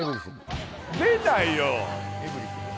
出ないよ